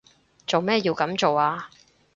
做咩要噉做啊？